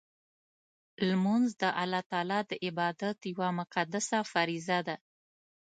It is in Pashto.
لمونځ د الله تعالی د عبادت یوه مقدسه فریضه ده.